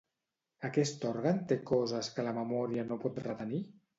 Aquest òrgan té coses que la memòria no pot retenir?